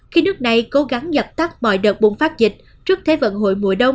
khi nước này cố gắng dập tắt mọi đợt bùng phát dịch trước thế vận hội mùa đông